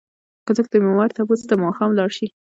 که څوک د بيمار تپوس ته ماښام لاړ شي؛